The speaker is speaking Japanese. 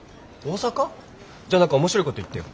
じゃあ何か面白いこと言ってよ。